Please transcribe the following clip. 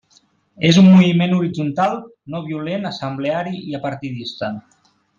És un moviment horitzontal, no violent, assembleari i apartidista.